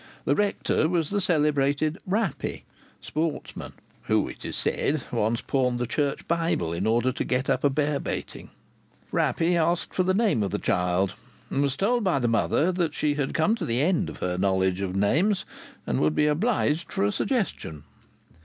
The rector was the celebrated Rappey, sportsman, who (it is said) once pawned the church Bible in order to get up a bear baiting. Rappey asked the name of the child, and was told by the mother that she had come to the end of her knowledge of names, and would be obliged for a suggestion.